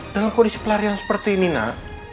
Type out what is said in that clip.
dengan kondisi pelarian seperti ini nak